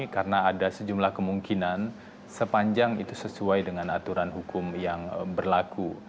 karena ada sejumlah kemungkinan sepanjang itu sesuai dengan aturan hukum yang berlaku